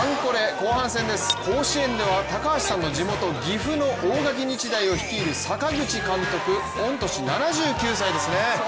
後半戦です甲子園では高橋さんの地元岐阜の大垣日大を率いる阪口監督、御年７９歳ですね。